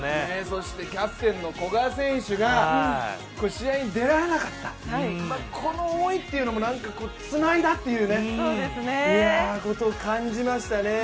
そしてキャプテンの古賀選手が試合に出られなかった、この思いというのもつないだということを感じましたね。